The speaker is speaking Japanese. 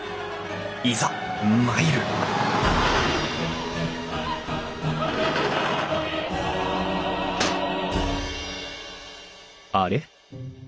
いざ参るあれ？